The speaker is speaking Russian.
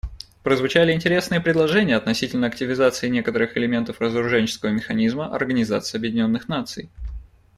Прозвучали интересные предложения относительно активизации некоторых элементов разоруженческого механизма Организации Объединенных Наций.